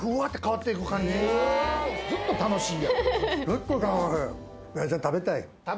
ずっと楽しい。